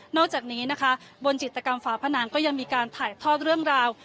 อกจากนี้นะคะบนจิตกรรมฝาผนังก็ยังมีการถ่ายทอดเรื่องราว